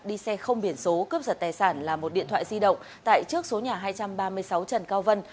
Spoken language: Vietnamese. đi xe không biển số cướp giật tài sản là một điện thoại di động tại trước số nhà hai trăm ba mươi sáu trần cao vân